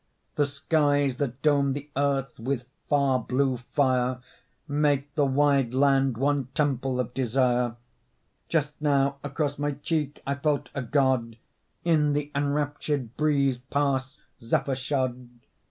The skies that dome the earth with far blue fire Make the wide land one temple of desire; Just now across my cheek I felt a God, In the enraptured breeze, pass zephyr shod.